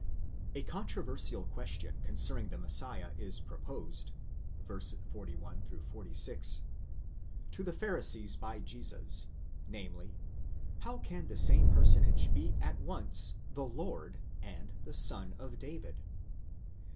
A controversial question concerning the Messiah is proposed (v. 41 46) to the Pharisees by Jesus, namely, How can the same personage be at once the Lord and the son of David?